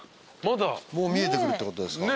もう見えてくるってことですか？